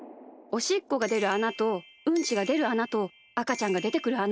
おしっこがでるあなとうんちがでるあなとあかちゃんがでてくるあな。